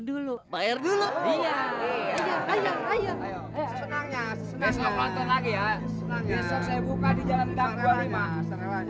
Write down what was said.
dulu bayar dulu iya ayo ayo ayo senangnya besok lagi ya besok saya buka di jalan dua puluh lima